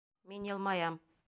Мин йылмаям.